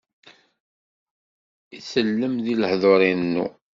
Itellem di lehduṛ, irennu.